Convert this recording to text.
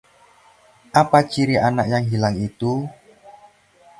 apa ciri anak yang hilang itu?